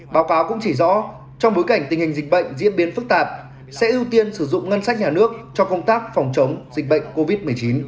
báo cáo cũng chỉ rõ trong bối cảnh tình hình dịch bệnh diễn biến phức tạp sẽ ưu tiên sử dụng ngân sách nhà nước cho công tác phòng chống dịch bệnh covid một mươi chín